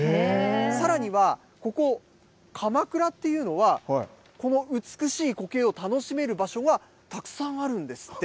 さらには、ここ、鎌倉っていうのは、この美しいコケを楽しめる場所がたくさんあるんですって。